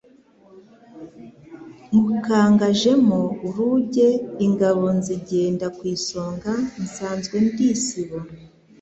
Nywukangajemo uruge, Ingabo nzigenda ku isonga nsanzwe ndi isibo,